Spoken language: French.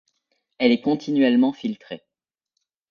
Elle est continuellement filtrée.